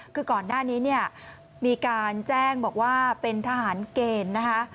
คือก่อนหน้านี้เนี่ยมีการแจ้งบอกว่าเป็นทหารเกณฑ์นะคะ